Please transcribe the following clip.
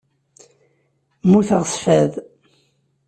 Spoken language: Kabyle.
Muteɣ s fad.